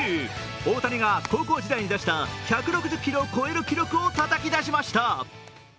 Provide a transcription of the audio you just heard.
大谷が高校時代に出した１６０キロを超える記録をたたき出しました。